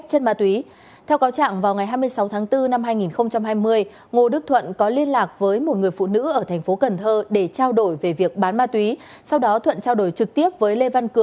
xin chào và hẹn gặp lại